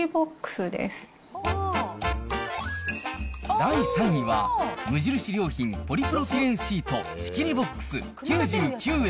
第３位は、無印良品ポリプロピレンシート仕切りボックス、９９円。